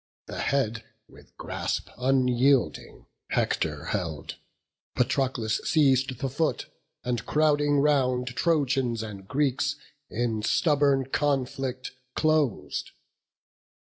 The head, with grasp unyielding, Hector held; Patroclus seiz'd the foot; and, crowding round, Trojans and Greeks in stubborn conflict clos'd.